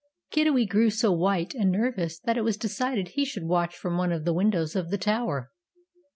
Kiddiwee grew so white and nervous that it was decided he should watch from one of the windows of the tower.